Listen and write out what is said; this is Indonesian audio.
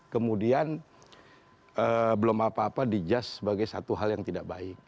kemudian belum apa apa dijad sebagai satu hal yang tidak baik